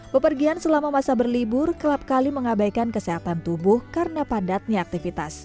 pepergian selama masa berlibur kerap kali mengabaikan kesehatan tubuh karena padatnya aktivitas